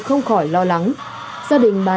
không khỏi lo lắng gia đình bà